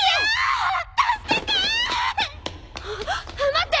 待って！